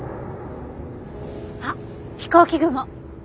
あっ飛行機雲！